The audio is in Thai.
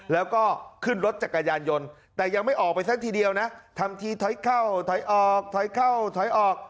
แล้วก็ขึ้นรถจักรยานยนต์แต่ยังไม่ออกไปซะทีเดียวนะทำทีถอยเข้าถอยออกถอยเข้าถอยออก